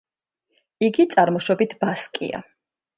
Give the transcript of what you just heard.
იგი წარმოშობით ბასკია.